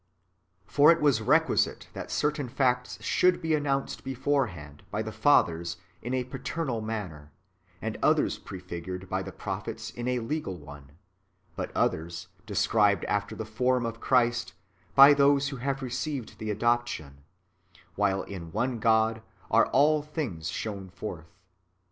For it was requisite that certain facts should be an nounced beforehand by the fathers in a paternal manner, and others prefigured by the prophets in a legal one, but others, described after the form of Christ, by those who have received the adoption ; while in one God are all things shown forth.